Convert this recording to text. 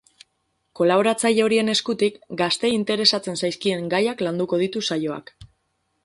Kolaboratzaile horien eskutik, gazteei interesatzen zaizkien gaiak landuko ditu saioak.